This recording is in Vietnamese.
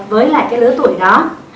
với lại cái lứa tuổi đó